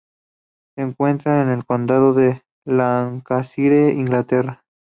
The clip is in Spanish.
Se encuentra en el condado de Lancashire, Inglaterra.